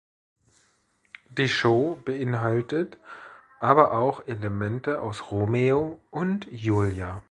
Die Show beinhaltet aber auch Elemente aus Romeo und Julia.